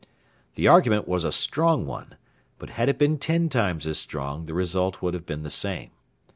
The argument was a strong one; but had it been ten times as strong, the result would have been the same.